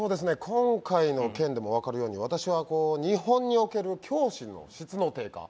今回の件でも分かるように私はこう日本における教師の質の低下